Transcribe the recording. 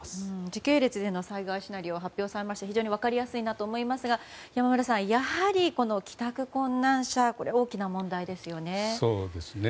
時系列での災害シナリオが発表されて非常に分かりやすいと思いますが山村さん、帰宅困難者が大きな問題ですね。